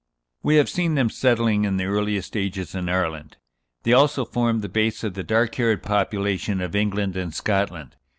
We have seen them settling, in the earliest ages, in Ireland. They also formed the base of the dark haired population of England and Scotland.